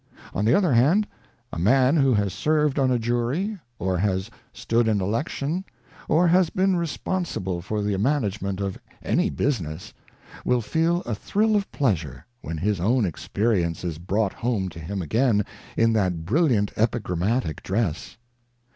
On the other hand, a man who has served on a jury, or has stood an election, or has been responsible for the management of any business, will feel a thrill of pleasure when his own experience is brought home to him again in that brilliant epigrammatic dress.